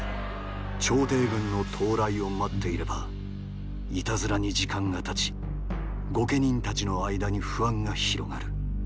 朝廷軍の到来を待っていればいたずらに時間がたち御家人たちの間に不安が広がる。